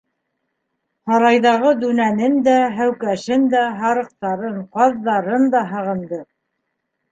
Һарайҙағы дүнәнен дә, һәүкәшен дә, һарыҡтарын, ҡаҙҙарын да һағынды.